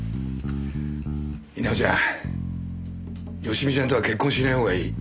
稲尾ちゃん佳美ちゃんとは結婚しないほうがいい。